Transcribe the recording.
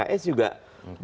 itu sebetulnya buat pks juga